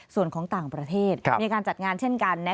ส่วนของต่างประเทศมีการจัดงานเช่นกัน